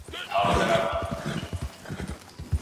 غازي امان الله خان د مالیاتو نغدي کولو قانون راوړ.